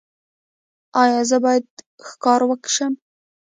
ایا زه باید ښکاره شم؟